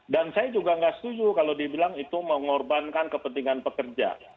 dan saya juga nggak setuju kalau dibilang itu mengorbankan kepentingan pekerja